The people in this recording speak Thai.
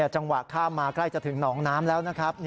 จังหวะข้ามมาใกล้จะถึงหนองน้ำแล้วนะครับ